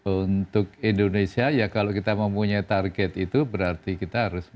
untuk indonesia ya kalau kita mempunyai target itu berarti kita harus